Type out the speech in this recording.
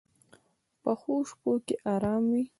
پخو شپو کې آرام وي